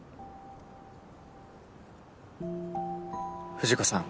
藤子さん。